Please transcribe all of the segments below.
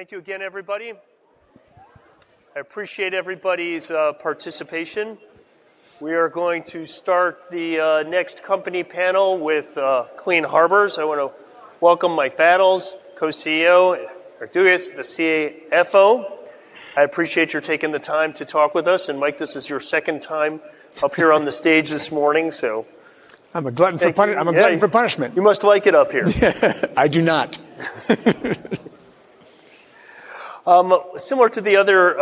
Thank you again, everybody. I appreciate everybody's participation. We are going to start the next company panel with Clean Harbors. I want to welcome Mike Battles, Co-CEO, and Dugas, the CFO. I appreciate your taking the time to talk with us. Mike, this is your second time up here on the stage this morning. I'm a glutton for punishment. You must like it up here. I do not. Similar to the other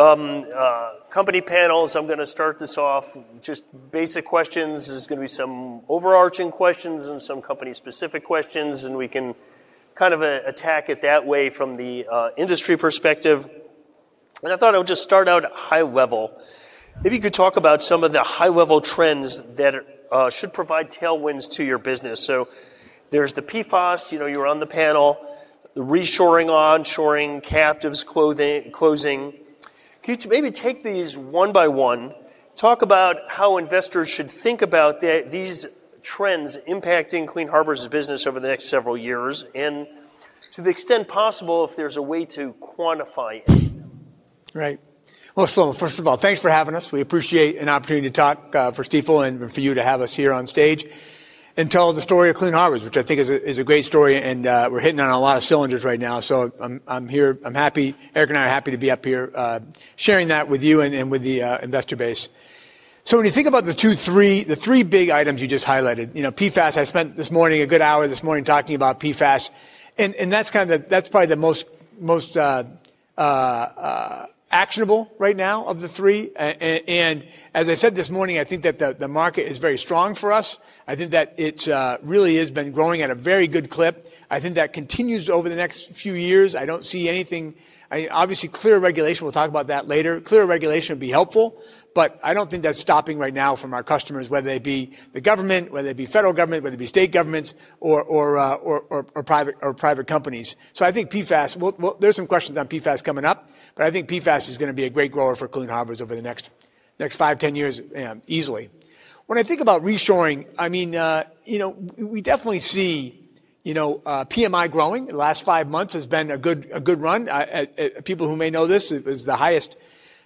company panels, I'm going to start this off with just basic questions. There's going to be some overarching questions and some company-specific questions, and we can attack it that way from the industry perspective. I thought I would just start out high level. Maybe you could talk about some of the high-level trends that should provide tailwinds to your business. There's the PFAS, you were on the panel, the reshoring, onshoring, captives closing. Could you maybe take these one by one, talk about how investors should think about these trends impacting Clean Harbors' business over the next several years, and to the extent possible, if there's a way to quantify any of them. Right. Well, Shlomo, first of all, thanks for having us. We appreciate an opportunity to talk for Stifel and for you to have us here on stage and tell the story of Clean Harbors, which I think is a great story. We're hitting on a lot of cylinders right now. I'm here, Eric and I are happy to be up here sharing that with you and with the investor base. When you think about the three big items you just highlighted. PFAS, I spent this morning a good hour this morning talking about PFAS. That's probably the most actionable right now of the three. As I said this morning, I think that the market is very strong for us. I think that it really has been growing at a very good clip. I think that continues over the next few years. I don't see anything. Obviously, clear regulation, we'll talk about that later. Clear regulation would be helpful, but I don't think that's stopping right now from our customers, whether they be the government, whether they be federal government, whether it be state governments or private companies. I think PFAS. Well, there are some questions on PFAS coming up, but I think PFAS is going to be a great grower for Clean Harbors over the next five to 10 years, easily. When I think about reshoring, we definitely see PMI growing. The last five months has been a good run. People who may know this, the highest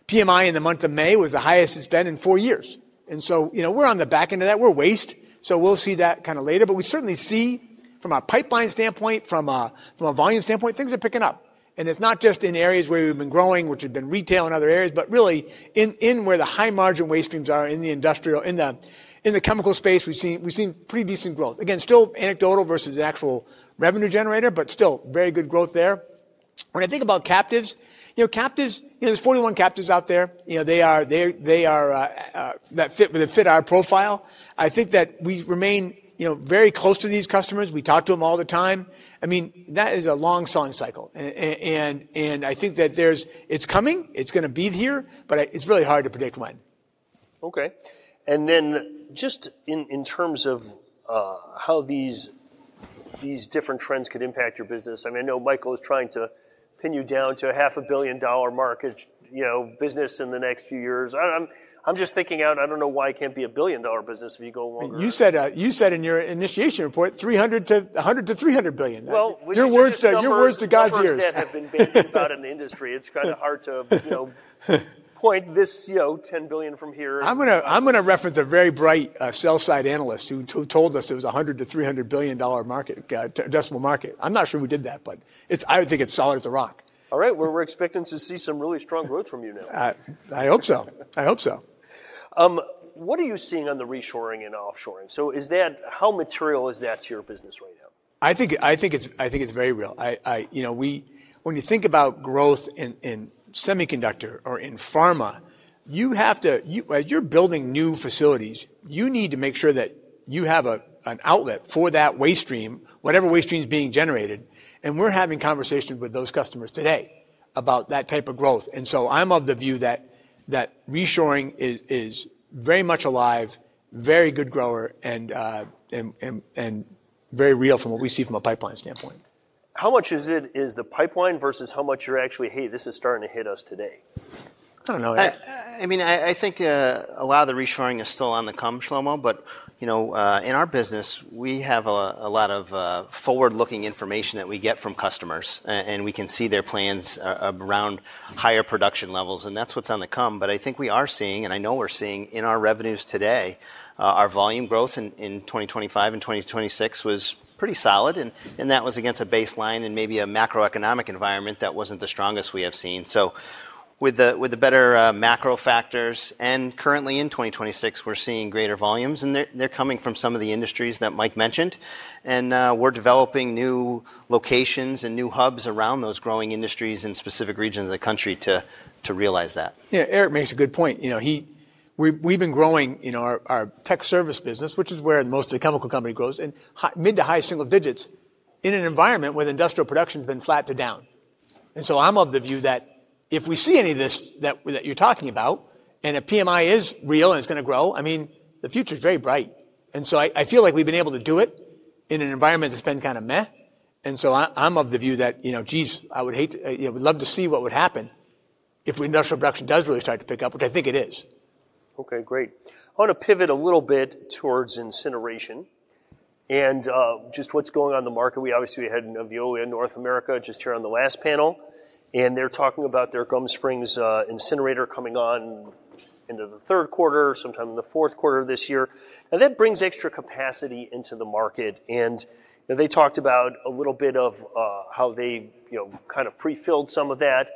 PMI in the month of May was the highest it's been in four years. We're on the back end of that. We're waste, we'll see that later. We certainly see from a pipeline standpoint, from a volume standpoint, things are picking up. It's not just in areas where we've been growing, which have been retail and other areas, but really in where the high margin waste streams are in the industrial, in the chemical space, we've seen pretty decent growth. Again, still anecdotal versus actual revenue generator, but still very good growth there. When I think about captives. There's 41 captives out there that fit our profile. I think that we remain very close to these customers. We talk to them all the time. That is a long selling cycle. I think that it's coming, it's going to be here, but it's really hard to predict when. Okay. Just in terms of how these different trends could impact your business. I know Michael is trying to pin you down to a half a billion dollar business in the next few years. I'm just thinking out, I don't know why it can't be a billion-dollar business if you go longer. You said in your initiation report, $100 billion-$300 billion. Well- Your words to God's ears. numbers that have been bandied about in the industry. It's kind of hard to point this $10 billion from here. I'm going to reference a very bright sell-side analyst who told us it was a $100 billion-$300 billion decimal market. I'm not sure who did that, but I would think it's solid as a rock. All right. Well, we're expecting to see some really strong growth from you now. I hope so. What are you seeing on the reshoring and offshoring? How material is that to your business right now? I think it's very real. When you think about growth in semiconductor or in pharma, you're building new facilities. You need to make sure that you have an outlet for that waste stream, whatever waste stream is being generated. We're having conversations with those customers today about that type of growth. I'm of the view that reshoring is very much alive, very good grower, and very real from what we see from a pipeline standpoint. How much is the pipeline versus how much you're actually, Hey, this is starting to hit us today? I don't know. I think a lot of the reshoring is still on the come, Shlomo. In our business, we have a lot of forward-looking information that we get from customers. We can see their plans around higher production levels. That's what's on the come. I think we are seeing, I know we're seeing in our revenues today, our volume growth in 2025 and 2026 was pretty solid, and that was against a baseline and maybe a macroeconomic environment that wasn't the strongest we have seen. With the better macro factors, currently in 2026, we're seeing greater volumes, and they're coming from some of the industries that Mike mentioned. We're developing new locations and new hubs around those growing industries in specific regions of the country to realize that. Eric makes a good point. We've been growing our Technical Services business, which is where most of the chemical company grows in mid-to-high single digits in an environment where the industrial production's been flat to down. I'm of the view that if we see any of this that you're talking about, and if PMI is real and it's going to grow, the future's very bright. I feel like we've been able to do it in an environment that's been kind of meh. I'm of the view that, geez, I would love to see what would happen if industrial production does really start to pick up, which I think it is. Great. I want to pivot a little bit towards incineration and just what's going on in the market. We obviously had Veolia North America just here on the last panel. They're talking about their Gum Springs incinerator coming on into the third quarter, sometime in the fourth quarter of this year. That brings extra capacity into the market. They talked about a little bit of how they pre-filled some of that.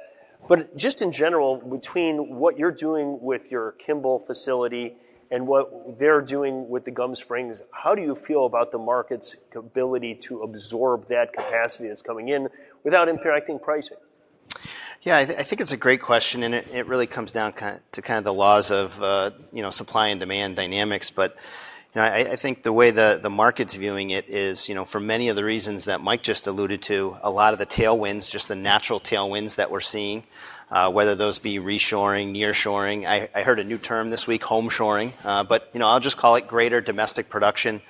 Just in general, between what you're doing with your Kimball facility and what they're doing with the Gum Springs, how do you feel about the market's ability to absorb that capacity that's coming in without impacting pricing? I think it's a great question. It really comes down to the laws of supply and demand dynamics. I think the way the market's viewing it is for many of the reasons that Mike just alluded to, a lot of the tailwinds, just the natural tailwinds that we're seeing, whether those be reshoring, nearshoring. I heard a new term this week, homeshoring, but I'll just call it greater domestic production.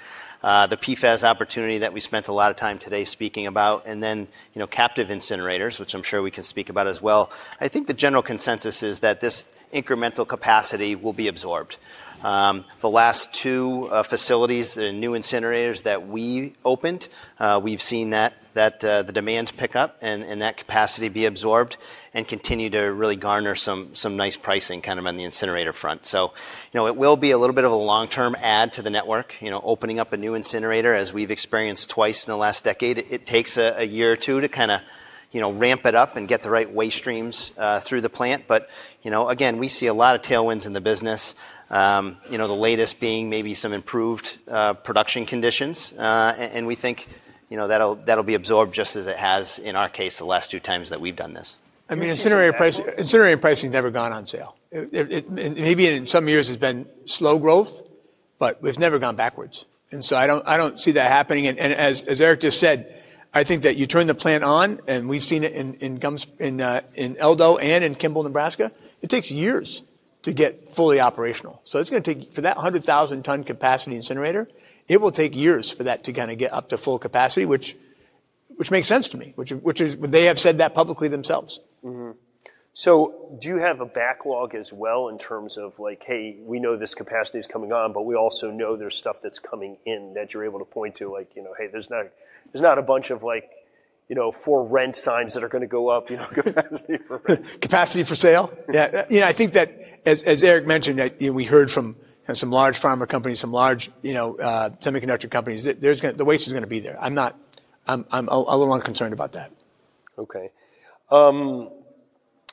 The PFAS opportunity that we spent a lot of time today speaking about. Then captive incinerators, which I'm sure we can speak about as well. I think the general consensus is that this incremental capacity will be absorbed. The last two facilities, the new incinerators that we opened, we've seen the demand pick up and that capacity be absorbed and continue to really garner some nice pricing on the incinerator front. It will be a little bit of a long-term add to the network, opening up a new incinerator as we've experienced twice in the last decade. It takes a year or two to ramp it up and get the right waste streams through the plant. Again, we see a lot of tailwinds in the business. The latest being maybe some improved production conditions. We think that'll be absorbed just as it has, in our case, the last two times that we've done this. Incinerator pricing has never gone on sale. Maybe in some years it's been slow growth, but we've never gone backwards. I don't see that happening. As Eric just said, I think that you turn the plant on, and we've seen it in El Do and in Kimball, Nebraska. It takes years to get fully operational. For that 100,000-ton capacity incinerator, it will take years for that to get up to full capacity, which makes sense to me. They have said that publicly themselves. Do you have a backlog as well in terms of like, hey, we know this capacity is coming on, but we also know there's stuff that's coming in that you're able to point to, like, hey, there's not a bunch of for rent signs that are going to go up, capacity for rent. Capacity for sale? Yeah. I think that as Eric mentioned, we heard from some large pharma companies, some large semiconductor companies, the waste is going to be there. I'm a little unconcerned about that. Okay.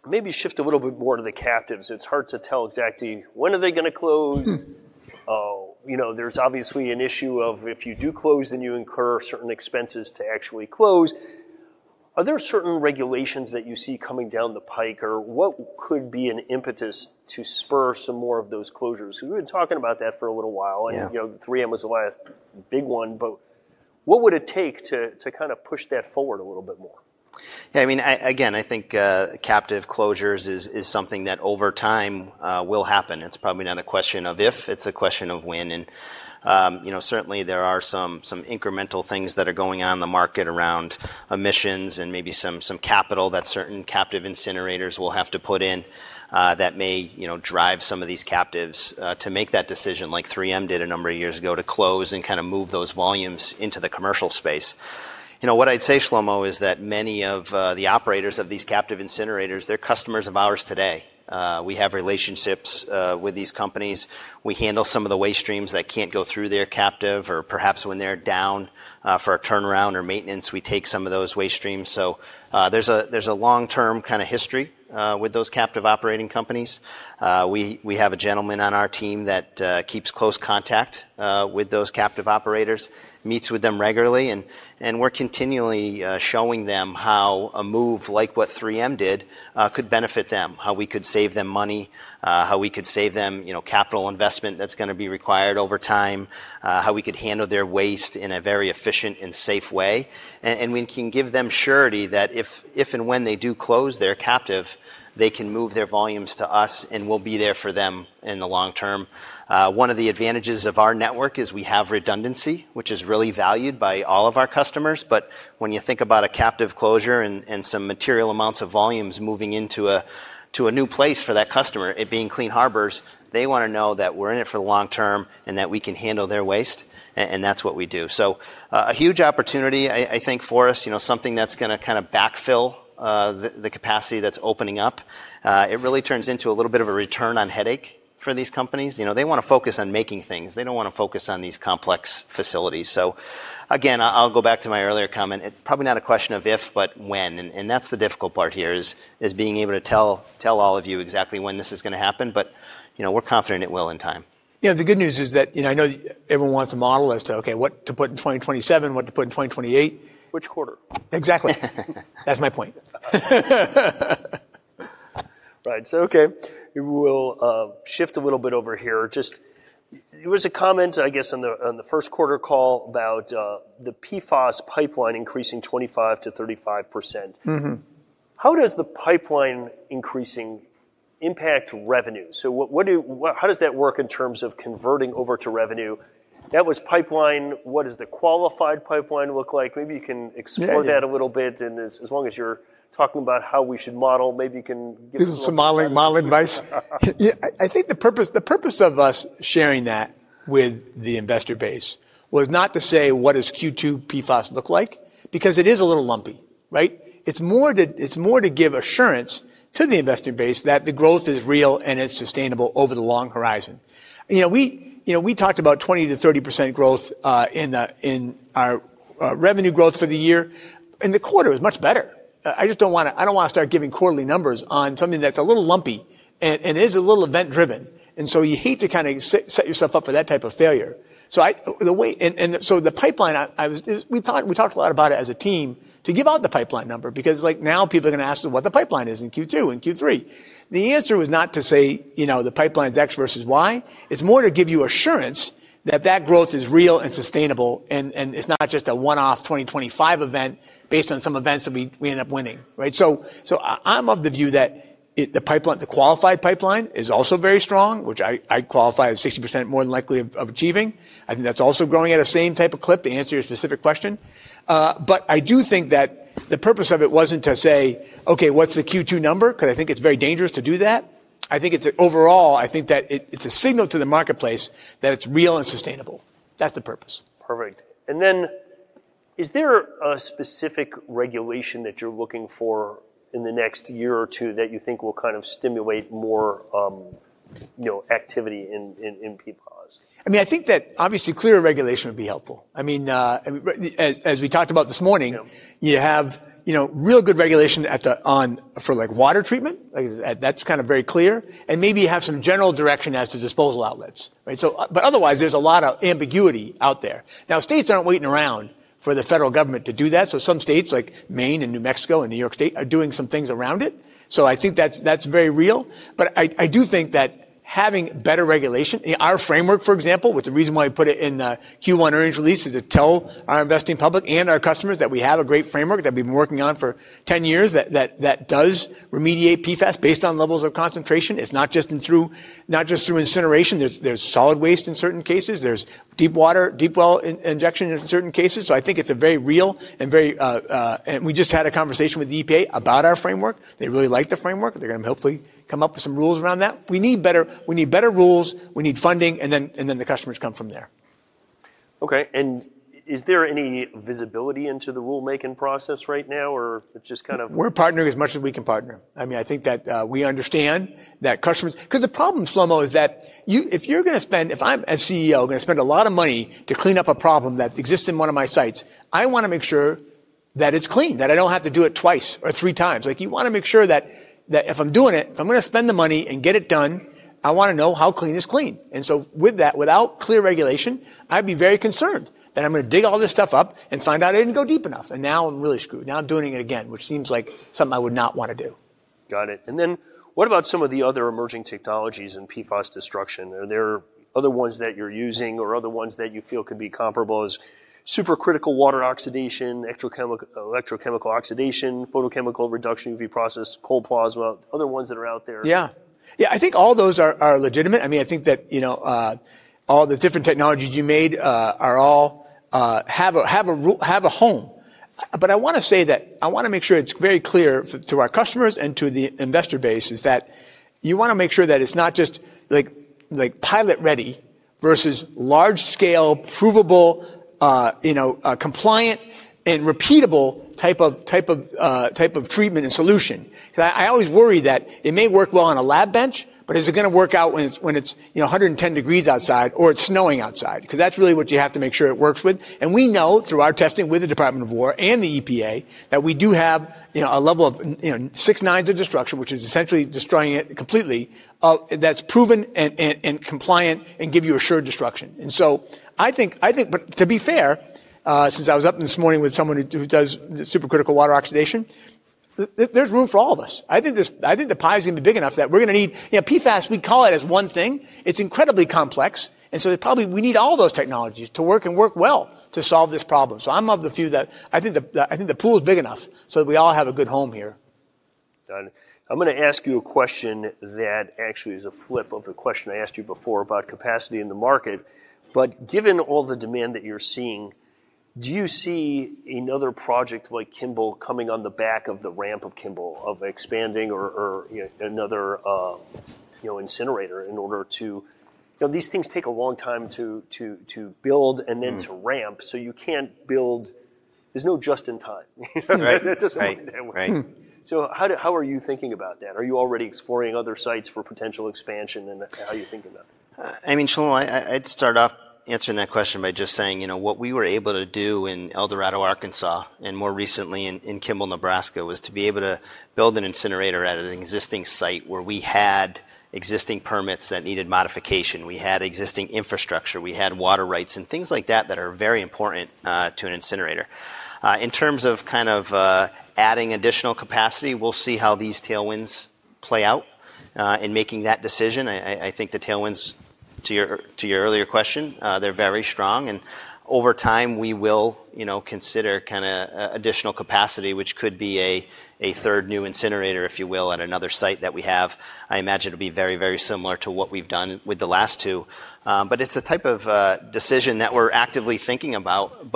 Maybe shift a little bit more to the captives. It's hard to tell exactly when are they going to close. There's obviously an issue of if you do close, then you incur certain expenses to actually close. Are there certain regulations that you see coming down the pike, or what could be an impetus to spur some more of those closures? We've been talking about that for a little while. Yeah. 3M was the last big one, but what would it take to push that forward a little bit more? Yeah, again, I think captive closures is something that over time will happen. It's probably not a question of if, it's a question of when. Certainly there are some incremental things that are going on in the market around emissions and maybe some capital that certain captive incinerators will have to put in that may drive some of these captives to make that decision like 3M did a number of years ago to close and move those volumes into the commercial space. What I'd say, Shlomo, is that many of the operators of these captive incinerators, they're customers of ours today. We have relationships with these companies. We handle some of the waste streams that can't go through their captive or perhaps when they're down for a turnaround or maintenance, we take some of those waste streams. There's a long-term history with those captive operating companies. We have a gentleman on our team that keeps close contact with those captive operators, meets with them regularly, and we're continually showing them how a move like what 3M did could benefit them, how we could save them money, how we could save them capital investment that's going to be required over time, how we could handle their waste in a very efficient and safe way. We can give them surety that if and when they do close their captive, they can move their volumes to us, and we'll be there for them in the long term. One of the advantages of our network is we have redundancy, which is really valued by all of our customers. When you think about a captive closure and some material amounts of volumes moving into a new place for that customer, it being Clean Harbors, they want to know that we're in it for the long term and that we can handle their waste, and that's what we do. A huge opportunity, I think, for us, something that's going to backfill the capacity that's opening up. It really turns into a little bit of a return on headache for these companies. They want to focus on making things. They don't want to focus on these complex facilities. Again, I'll go back to my earlier comment. It's probably not a question of if, but when, and that's the difficult part here is being able to tell all of you exactly when this is going to happen. We're confident it will in time. The good news is that I know everyone wants a model as to, okay, what to put in 2027, what to put in 2028. Which quarter? Exactly. That's my point. Right. Okay, we will shift a little bit over here. There was a comment, I guess, on the first quarter call about the PFAS pipeline increasing 25%-35%. How does the pipeline increasing impact revenue. How does that work in terms of converting over to revenue? That was pipeline. What does the qualified pipeline look like? Maybe you can explore that a little bit. As long as you're talking about how we should model, maybe you can give us a little- Give us some modeling advice. Yeah. I think the purpose of us sharing that with the investor base was not to say what does Q2 PFAS look like, because it is a little lumpy, right? It's more to give assurance to the investor base that the growth is real and it's sustainable over the long horizon. We talked about 20%-30% growth in our revenue growth for the year, and the quarter was much better. I don't want to start giving quarterly numbers on something that's a little lumpy and is a little event driven. You hate to set yourself up for that type of failure. We talked a lot about it as a team to give out the pipeline number, because now people are going to ask what the pipeline is in Q2 and Q3. The answer was not to say, the pipeline's X versus Y. It's more to give you assurance that that growth is real and sustainable, and it's not just a one-off 2025 event based on some events that we end up winning, right? I'm of the view that the qualified pipeline is also very strong, which I qualify as 60% more than likely of achieving. I think that's also growing at a same type of clip to answer your specific question. I do think that the purpose of it wasn't to say, Okay, what's the Q2 number? Because I think it's very dangerous to do that. I think overall, I think that it's a signal to the marketplace that it's real and sustainable. That's the purpose. Perfect. Is there a specific regulation that you're looking for in the next year or two that you think will kind of stimulate more activity in PFAS? I think that obviously clearer regulation would be helpful. As we talked about this morning- Yeah You have real good regulation for water treatment. That's very clear. Maybe you have some general direction as to disposal outlets, right? Otherwise, there's a lot of ambiguity out there. States aren't waiting around for the federal government to do that, some states, like Maine and New Mexico and New York State, are doing some things around it. I think that's very real. I do think that having better regulation, our framework, for example, was the reason why we put it in the Q1 earnings release, is to tell our investing public and our customers that we have a great framework that we've been working on for 10 years that does remediate PFAS based on levels of concentration. It's not just through incineration. There's solid waste in certain cases. There's deep well injection in certain cases. I think it's very real. We just had a conversation with the EPA about our framework. They really like the framework. They're going to hopefully come up with some rules around that. We need better rules, we need funding, the customers come from there. Okay. Is there any visibility into the rulemaking process right now, or it's just kind of- We're partnering as much as we can partner. I think that we understand that customers-- Because the problem, Shlomo, is that if I'm, as CEO, going to spend a lot of money to clean up a problem that exists in one of my sites, I want to make sure that it's clean, that I don't have to do it twice or 3x. You want to make sure that if I'm doing it, if I'm going to spend the money and get it done, I want to know how clean is clean. With that, without clear regulation, I'd be very concerned that I'm going to dig all this stuff up and find out I didn't go deep enough, and now I'm really screwed. Now I'm doing it again, which seems like something I would not want to do. Got it. What about some of the other emerging technologies in PFAS destruction? Are there other ones that you're using or other ones that you feel could be comparable as supercritical water oxidation, electrochemical oxidation, photochemical reduction, Vapor-phase process, cold plasma, other ones that are out there? Yeah. I think all those are legitimate. I think that all the different technologies you made have a home. I want to say that, I want to make sure it's very clear to our customers and to the investor base, is that you want to make sure that it's not just pilot ready versus large scale, provable, compliant, and repeatable type of treatment and solution. Because I always worry that it may work well on a lab bench, but is it going to work out when it's 110 degrees outside, or it's snowing outside? Because that's really what you have to make sure it works with. We know through our testing with the Department of Defense and the EPA, that we do have a level of six nines of destruction, which is essentially destroying it completely. That's proven and compliant and give you assured destruction. To be fair, since I was up this morning with someone who does supercritical water oxidation, there's room for all of us. I think the pie is going to be big enough that we're going to need-- PFAS, we call it as one thing. It's incredibly complex, probably, we need all those technologies to work and work well to solve this problem. I'm of the few that I think the pool is big enough so that we all have a good home here. Got it. I'm going to ask you a question that actually is a flip of a question I asked you before about capacity in the market. Given all the demand that you're seeing, do you see another project like Kimball coming on the back of the ramp of Kimball, of expanding or another incinerator? These things take a long time to build and then to ramp. There's no just in time. Right. It doesn't work that way. Right. How are you thinking about that? Are you already exploring other sites for potential expansion, and how are you thinking about it? Shlomo, I'd start off answering that question by just saying, what we were able to do in El Dorado, Arkansas, and more recently in Kimball, Nebraska, was to be able to build an incinerator at an existing site where we had existing permits that needed modification. We had existing infrastructure, we had water rights, and things like that are very important to an incinerator. In terms of adding additional capacity, we'll see how these tailwinds play out in making that decision. I think the tailwinds, to your earlier question, they're very strong, and over time we will consider additional capacity, which could be a third new incinerator, if you will, at another site that we have. I imagine it'll be very similar to what we've done with the last two. It's a type of decision that we're actively thinking about.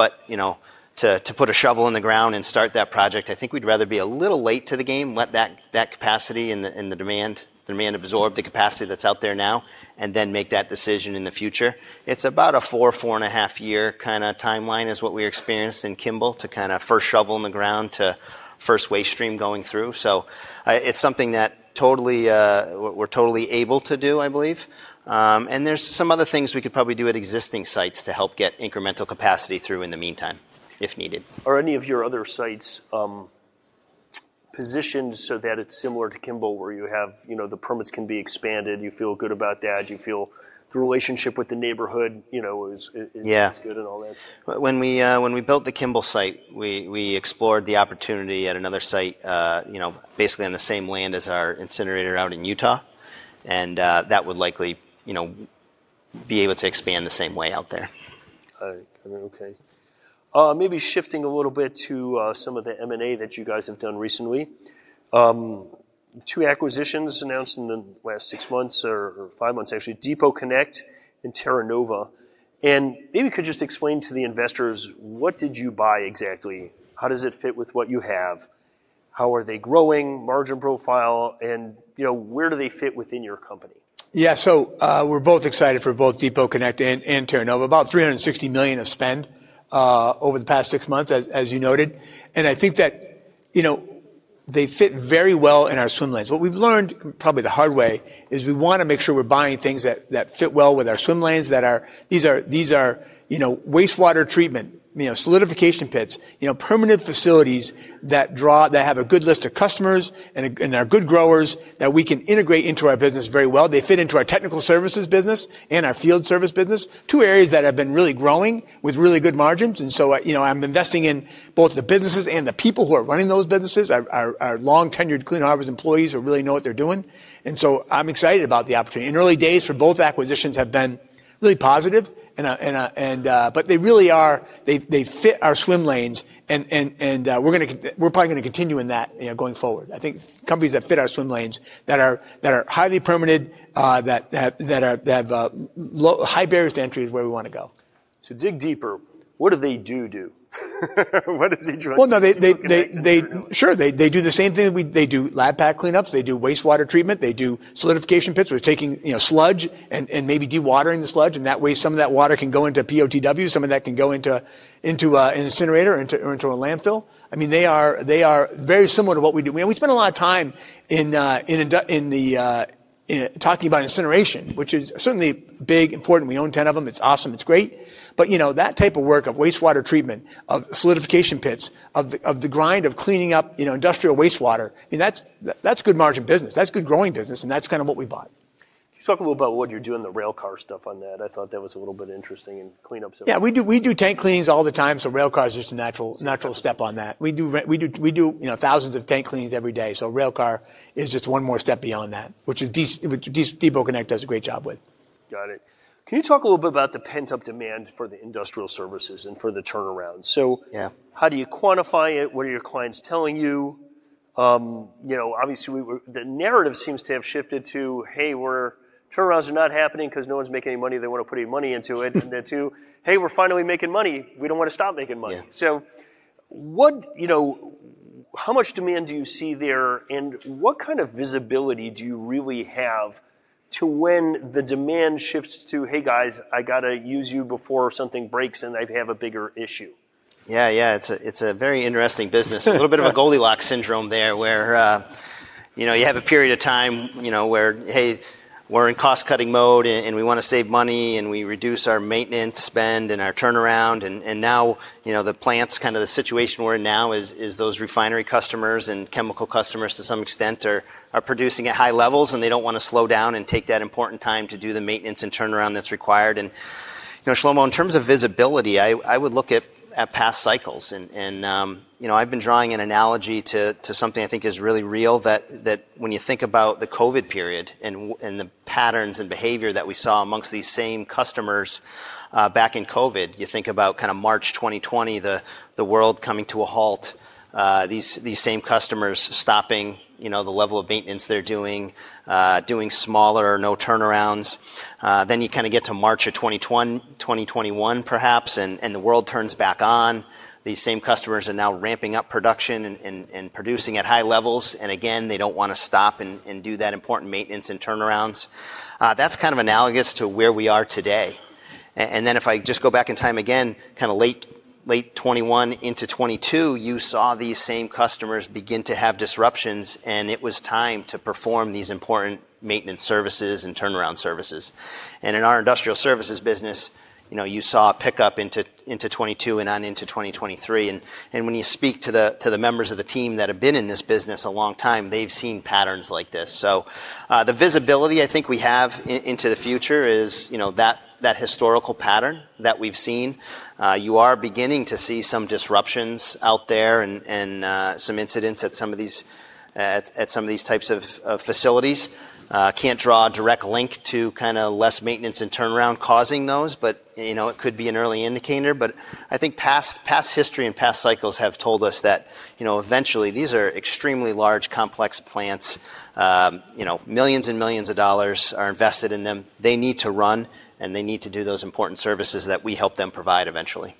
To put a shovel in the ground and start that project, I think we'd rather be a little late to the game, let the demand absorb the capacity that's out there now, and then make that decision in the future. It's about a four and a half year kind of timeline is what we experienced in Kimball to first shovel in the ground to first waste stream going through. It's something that we're totally able to do, I believe. There's some other things we could probably do at existing sites to help get incremental capacity through in the meantime, if needed. Are any of your other sites positioned so that it's similar to Kimball where you have the permits can be expanded, you feel good about that, you feel the relationship with the neighborhood is. Yeah good and all that? When we built the Kimball site, we explored the opportunity at another site, basically on the same land as our incinerator out in Utah. That would likely be able to expand the same way out there. Okay. Maybe shifting a little bit to some of the M&A that you guys have done recently. Two acquisitions announced in the last six months or five months, actually, Depot Connect and Terra Nova. Maybe you could just explain to the investors what did you buy exactly? How does it fit with what you have? How are they growing, margin profile, and where do they fit within your company? Yeah, we're both excited for both Depot Connect and Terra Nova. About $360 million of spend over the past six months, as you noted. I think that they fit very well in our swim lanes. What we've learned, probably the hard way, is we want to make sure we're buying things that fit well with our swim lanes. These are wastewater treatment, solidification pits, permanent facilities that have a good list of customers, and are good growers that we can integrate into our business very well. They fit into our Technical Services business and our field service business, two areas that have been really growing with really good margins. I'm investing in both the businesses and the people who are running those businesses, our long-tenured Clean Harbors employees who really know what they're doing. I'm excited about the opportunity. Early days for both acquisitions have been really positive. They really fit our swim lanes, and we're probably going to continue in that going forward. I think companies that fit our swim lanes, that are highly permitted, that have high barriers to entry is where we want to go. To dig deeper, what do they do? What does Depot Connect and Terra Nova do? Sure. They do the same thing. They do lab pack cleanups, they do wastewater treatment, they do solidification pits where we're taking sludge and maybe dewatering the sludge, and that way some of that water can go into POTW, some of that can go into an incinerator or into a landfill. They are very similar to what we do. We spend a lot of time talking about incineration, which is certainly big, important. We own 10 of them. It's awesome. It's great. That type of work of wastewater treatment, of solidification pits, of the grind of cleaning up industrial wastewater, that's good margin business. That's good growing business, and that's kind of what we bought. Can you talk a little about what you do in the railcar stuff on that? I thought that was a little bit interesting in cleanup services. Yeah, we do tank cleans all the time, railcar is just a natural step on that. We do thousands of tank cleans every day. Railcar is just one more step beyond that, which Depot Connect does a great job with. Got it. Can you talk a little bit about the pent-up demand for the industrial services and for the turnaround? Yeah. how do you quantify it? What are your clients telling you? Obviously, the narrative seems to have shifted to, Hey, turnarounds are not happening because no one's making any money. They want to put any money into it. Then to, Hey, we're finally making money. We don't want to stop making money. Yeah. how much demand do you see there, and what kind of visibility do you really have to when the demand shifts to, Hey, guys, I got to use you before something breaks and I have a bigger issue? It's a very interesting business. A little bit of a Goldilocks syndrome there, where you have a period of time where, hey, we're in cost-cutting mode, and we want to save money, and we reduce our maintenance spend and our turnaround. Now, the situation we're in now is those refinery customers and chemical customers, to some extent, are producing at high levels, and they don't want to slow down and take that important time to do the maintenance and turnaround that's required. Shlomo, in terms of visibility, I would look at past cycles, and I've been drawing an analogy to something I think is really real, that when you think about the COVID period and the patterns and behavior that we saw amongst these same customers back in COVID, you think about March 2020, the world coming to a halt. These same customers stopping the level of maintenance they're doing smaller or no turnarounds. You kind of get to March of 2021 perhaps, and the world turns back on. These same customers are now ramping up production and producing at high levels. Again, they don't want to stop and do that important maintenance and turnarounds. That's kind of analogous to where we are today. Then if I just go back in time again, kind of late 2021 into 2022, you saw these same customers begin to have disruptions, and it was time to perform these important maintenance services and turnaround services. In our industrial services business, you saw a pickup into 2022 and on into 2023. When you speak to the members of the team that have been in this business a long time, they've seen patterns like this. The visibility I think we have into the future is that historical pattern that we've seen. You are beginning to see some disruptions out there and some incidents at some of these types of facilities. Can't draw a direct link to less maintenance and turnaround causing those, but it could be an early indicator. I think past history and past cycles have told us that eventually, these are extremely large, complex plants. Millions and millions of dollars are invested in them. They need to run, and they need to do those important services that we help them provide eventually.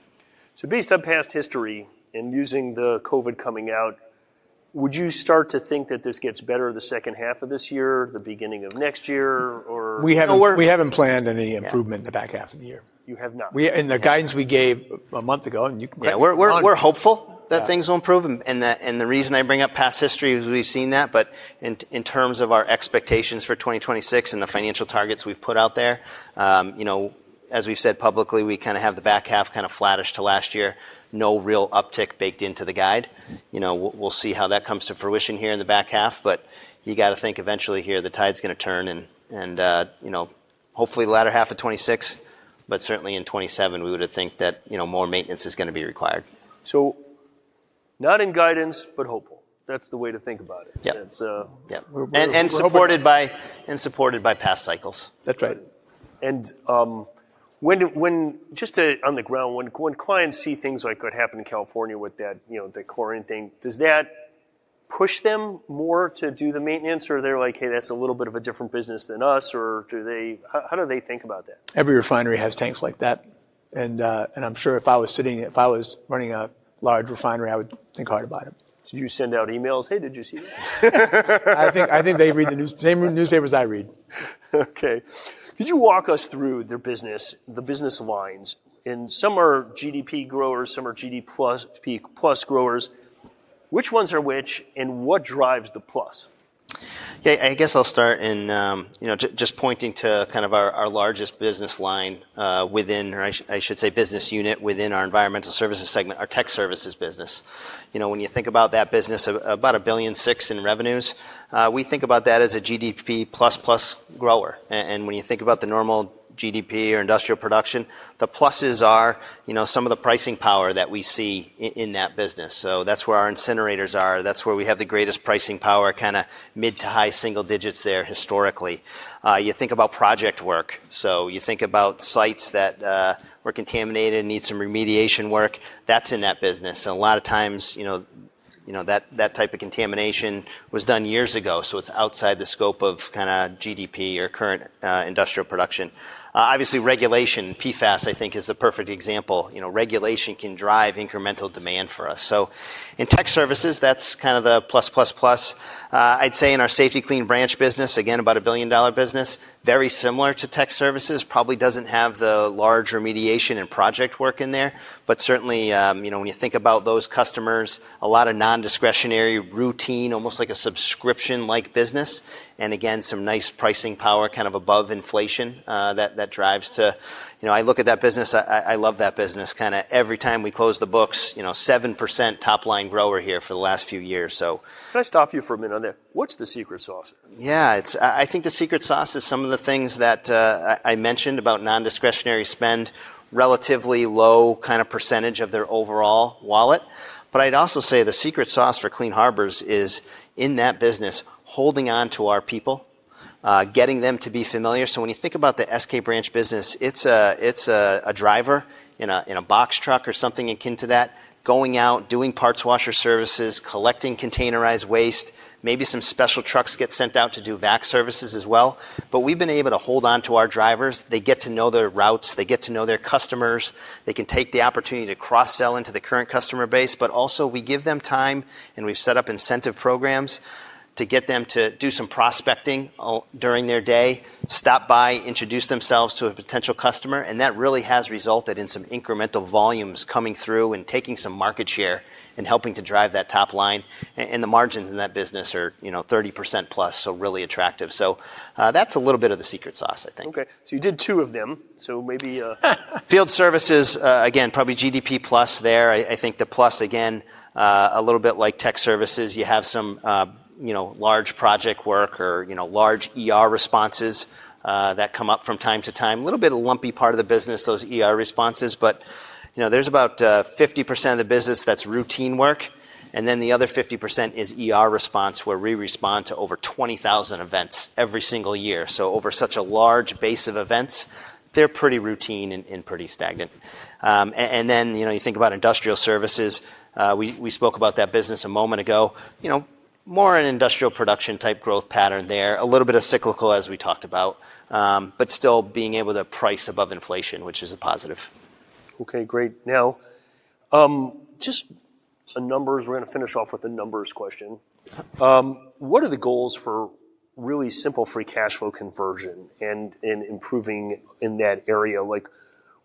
Based on past history and using the COVID coming out, would you start to think that this gets better the second half of this year, the beginning of next year, or? We haven't planned any improvement. Yeah The back half of the year. You have not. In the guidance we gave a month ago. Yeah. We're hopeful. Yeah that things will improve, and the reason I bring up past history is we've seen that. In terms of our expectations for 2026 and the financial targets we've put out there, as we've said publicly, we have the back half kind of flattish to last year, no real uptick baked into the guide. We'll see how that comes to fruition here in the back half, you got to think eventually here, the tide's going to turn and hopefully the latter half of 2026, certainly in 2027, we would think that more maintenance is going to be required. Not in guidance, but hopeful. That's the way to think about it. Yeah. It's. Yeah. We're hoping. Supported by past cycles. That's right. Just on the ground, when clients see things like what happened in California with the chlorine thing, does that push them more to do the maintenance, or are they like, Hey, that's a little bit of a different business than us, or how do they think about that? Every refinery has tanks like that. I'm sure if I was running a large refinery, I would think hard about it. Do you send out emails, Hey, did you see that? I think they read the same newspapers I read. Okay. Could you walk us through the business lines? Some are GDP growers, some are GDP plus growers. Which ones are which, and what drives the plus? Okay. I guess I'll start in just pointing to our largest business line, or I should say business unit within our environmental services segment, our Technical Services business. When you think about that business, about $1.6 billion in revenues, we think about that as a GDP plus plus grower. When you think about the normal GDP or industrial production, the pluses are some of the pricing power that we see in that business. That's where our incinerators are. That's where we have the greatest pricing power, mid to high single digits there historically. You think about project work. You think about sites that were contaminated, need some remediation work. That's in that business. A lot of times, that type of contamination was done years ago, so it's outside the scope of GDP or current industrial production. Obviously, regulation, PFAS, I think is the perfect example. Regulation can drive incremental demand for us. In Technical Services, that's the plus plus plus. I'd say in our Safety-Kleen branch business, again, about a $1 billion-dollar business, very similar to Technical Services. Probably doesn't have the large remediation and project work in there, but certainly, when you think about those customers, a lot of non-discretionary routine, almost like a subscription-like business. Again, some nice pricing power above inflation, that drives to I look at that business, I love that business. Every time we close the books, 7% top-line grower here for the last few years. Can I stop you for a minute on there? What's the secret sauce? Yeah. I think the secret sauce is some of the things that I mentioned about non-discretionary spend, relatively low percentage of their overall wallet. I'd also say the secret sauce for Clean Harbors is in that business, holding on to our people, getting them to be familiar. When you think about the Safety-Kleen branch business, it's a driver in a box truck or something akin to that, going out, doing parts washer services, collecting containerized waste. Maybe some special trucks get sent out to do vac services as well. We've been able to hold on to our drivers. They get to know their routes. They get to know their customers. They can take the opportunity to cross-sell into the current customer base. Also, we give them time, and we've set up incentive programs to get them to do some prospecting during their day, stop by, introduce themselves to a potential customer, and that really has resulted in some incremental volumes coming through and taking some market share and helping to drive that top line. The margins in that business are 30%+, really attractive. That's a little bit of the secret sauce, I think. Okay. You did two of them, maybe. Field services, again, probably GDP plus there. I think the plus, again, a little bit like Technical Services. You have some large project work or large ER responses that come up from time to time. A little bit of a lumpy part of the business, those ER responses, but there's about 50% of the business that's routine work, and then the other 50% is ER response, where we respond to over 20,000 events every single year. Over such a large base of events, they're pretty routine and pretty stagnant. Then, you think about industrial services. We spoke about that business a moment ago. More an industrial production type growth pattern there. A little bit of cyclical, as we talked about, but still being able to price above inflation, which is a positive. Okay, great. Just the numbers. We're going to finish off with a numbers question. Yep. What are the goals for really simple free cash flow conversion and improving in that area?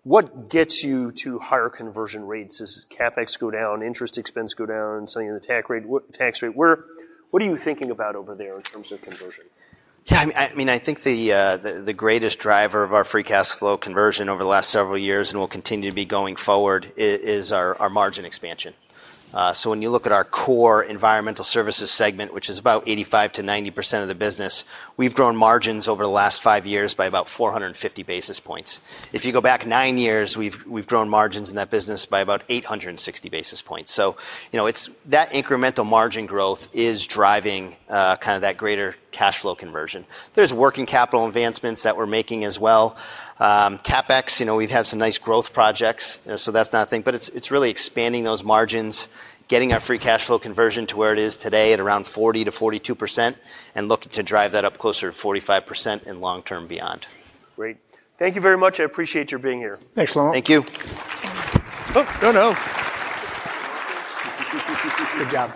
What gets you to higher conversion rates? Does CapEx go down, interest expense go down, something in the tax rate? What are you thinking about over there in terms of conversion? Yeah. I think the greatest driver of our free cash flow conversion over the last several years and will continue to be going forward is our margin expansion. When you look at our core Environmental Services segment, which is about 85%-90% of the business, we've grown margins over the last five years by about 450 basis points. If you go back nine years, we've grown margins in that business by about 860 basis points. That incremental margin growth is driving that greater cash flow conversion. There's working capital advancements that we're making as well. CapEx, we've had some nice growth projects, that's another thing. It's really expanding those margins, getting our free cash flow conversion to where it is today at around 40%-42%, and looking to drive that up closer to 45% and long term beyond. Great. Thank you very much. I appreciate your being here. Thanks, Shlomo. Thank you. Oh. Oh, no. Good job.